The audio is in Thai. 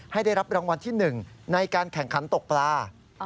ได้รับรางวัลที่๑ในการแข่งขันตกปลา